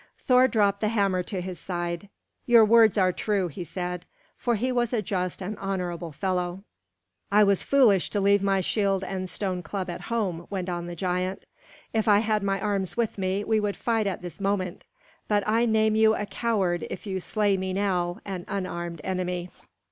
Thor dropped the hammer to his side. "Your words are true," he said, for he was a just and honorable fellow. "I was foolish to leave my shield and stone club at home," went on the giant. "If I had my arms with me, we would fight at this moment. But I name you a coward if you slay me now, an unarmed enemy."